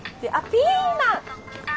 ピーマン。